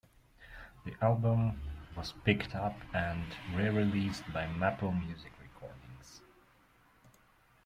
The album was picked up and re-released by MapleMusic Recordings.